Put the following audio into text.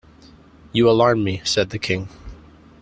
‘You alarm me!’ said the King.